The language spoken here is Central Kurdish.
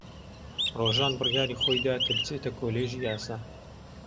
ڕۆژان بڕیاری خۆی دا کە بچێتە کۆلێژی یاسا.